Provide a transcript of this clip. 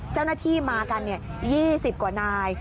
เจ้าหน้าที่มากัน๒๐กว่านาย